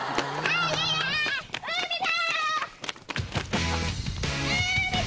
海だ！